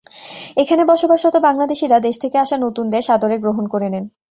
এখানে বসবাসরত বাংলাদেশিরা দেশ থেকে আসা নতুনদের সাদরে গ্রহণ করে নেন।